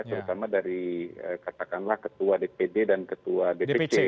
terutama dari katakanlah ketua dpd dan ketua dpc